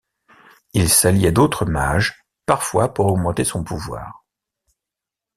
Il s’allie à d’autres mages parfois pour augmenter son pouvoir.